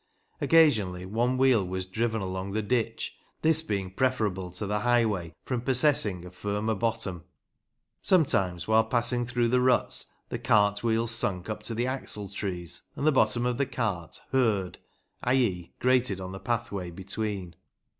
Occasionally one wheel was driven along the ditch, this being preferable to the highway from possessing a firmer bottom ! Sometimes while passing through the ruts the cart wheels sunk up to the axletrees, and the bottom of the cart " hurred " i.e. t grated on the pathway between.